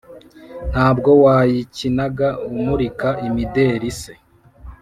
nabwo wayikinaga umurika imideli se?